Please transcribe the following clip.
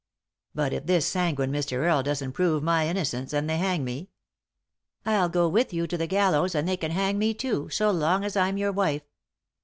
" But if this sanguine Mr. Earle doesn't prove my innocence, and they hang me ?" "111 go with you to the gallows, and they can hang me too, so long as I'm your wife."